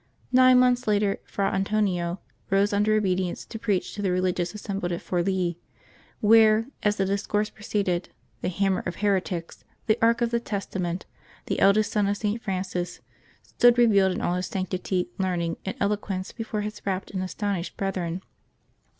Nine months later, Fra Antonio rose under obedience to preach to the religious assembled at Forli, when, as the discourse proceeded, " the Hammer of Heretics," " the Ark of the Testament,'' " the eldest son of St. Francis,'' stood revealed in all his sanctity, learning, and eloquence before his rapt and astonished brethren.